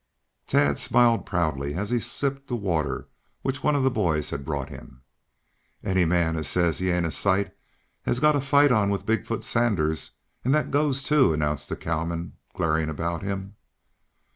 Tad smiled proudly as he sipped the water which one of the boys had brought to him. "Any man as says he ain't a sight has got a fight on with Big foot Sanders. And that goes, too!" announced the cowman, glaring about him.